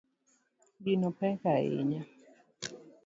Gino pek ahinya